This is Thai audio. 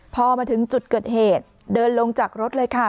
พอมาถึงจุดเกิดเหตุเดินลงจากรถเลยค่ะ